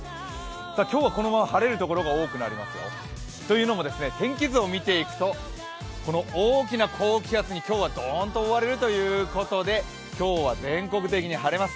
今日はこのまま晴れるところが多くなりますよ。というのはですね、天気図を見ていくとこの大きな高気圧に今日はどーんと覆われるということで今日は全国的に晴れます。